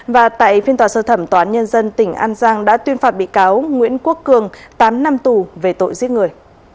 và tại phiên tòa sơ thẩm tòa án nhân dân tỉnh an giang đã tuyên phạt bị cáo nguyễn quốc cường tám năm tù về tội giết người